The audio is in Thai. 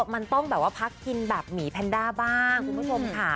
มันต้องแบบว่าพักกินแบบหมีแพนด้าบ้างคุณผู้ชมค่ะ